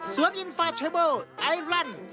สวนอินฟาชัยเบอร์ไอรั่น